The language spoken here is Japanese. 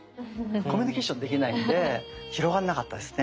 コミュニケーションできないので広がんなかったですね。